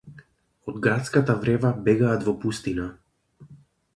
Од градската врева бегаат во пустина